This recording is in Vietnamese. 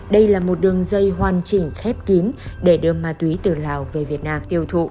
đây là một đường dây hoàn chỉnh khép kín để đưa ma túy từ lào về việt nam tiêu thụ